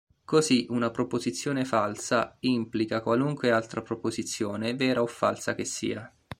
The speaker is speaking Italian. Così una proposizione falsa "implica" qualunque altra proposizione, vera o falsa che sia.